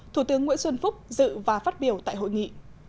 thủ tướng nguyễn xuân phúc dự và phát biểu tại hội nghị